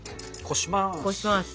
こします。